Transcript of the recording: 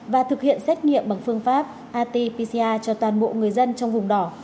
và thực hiện xét nghiệm bằng phương pháp rt pcr cho toàn bộ người dân trong vùng đỏ